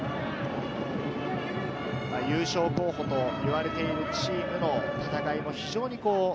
優勝候補といわれているチームの戦いも非常に。